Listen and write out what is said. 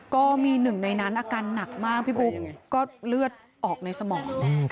ก็มีหนึ่งในนั้นอาการหนักมากพี่บุ๊คก็เลือดออกในสมอง